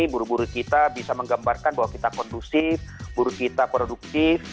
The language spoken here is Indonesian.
buruh buruh kita bisa menggambarkan bahwa kita kondusif buruh kita produktif